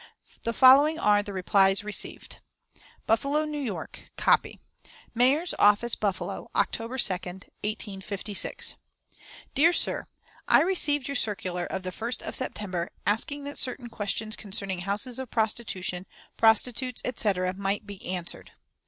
The following are the replies received: BUFFALO, N. Y. (Copy.) "Mayor's Office, Buffalo, October 2, 1856. "DEAR SIR, I received your circular of the 1st of September, asking that certain questions concerning houses of prostitution, prostitutes, etc., might be answered.